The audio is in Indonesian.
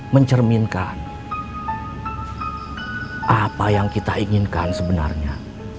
mencerminkan apa yang kita inginkan sebenarnya